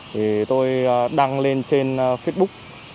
thì tôi đăng lên trên facebook